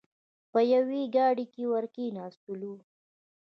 په یوې ګاډۍ کې ور کېناستلو.